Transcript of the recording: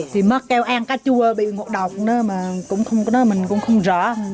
thì mất kéo ăn cá chua bị ngộ độc mình cũng không rõ